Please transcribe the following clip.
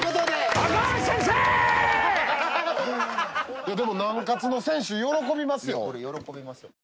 でも南の選手喜びますよ。